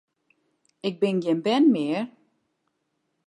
Ik bin gjin bern mear!